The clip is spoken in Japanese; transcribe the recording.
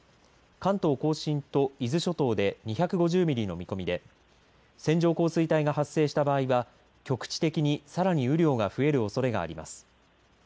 関東甲信と伊豆諸島で２５０ミリの見込みで線状降水帯が発生した場合は局地的にさらに雨量が増えるおそれがあります。